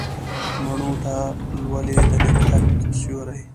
مڼو ته لولي د نګهت سیوري